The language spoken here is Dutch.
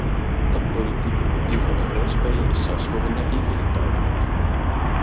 Dat politieke motieven een rol spelen is zelfs voor een naïeveling duidelijk.